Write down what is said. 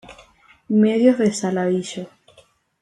Medios de Saladillo